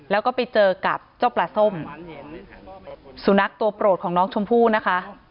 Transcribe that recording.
แล้วก็ไปเจอกับเจ้าปลาส้มสุนัขตัวโปรดของน้องชมพู่นะคะ